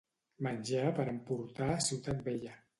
Menjar per emportar a Ciutat Vella.